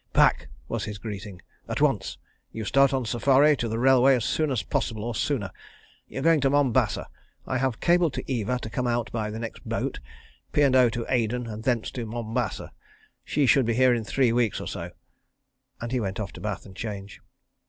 "Pack," was his greeting, "at once. You start on safari to the railway as soon as possible, or sooner. You are going to Mombasa. I have cabled to Eva to come out by the next boat. ... P. and O. to Aden, and thence to Mombasa. ... She should be here in three weeks or so ..." and he went off to bath and change.